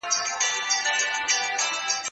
زه بايد اوبه پاک کړم؟!